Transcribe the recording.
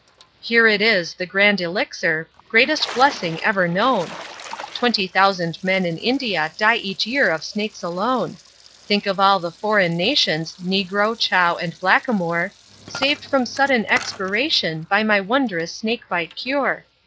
'Here it is, the Grand Elixir, greatest blessing ever known, Twenty thousand men in India die each year of snakes alone. Think of all the foreign nations, negro, chow, and blackamoor, Saved from sudden expiration, by my wondrous snakebite cure.